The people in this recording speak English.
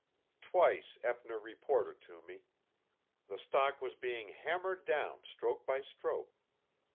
Twice Eppner reported to me. The stock was being hammered down stroke by stroke.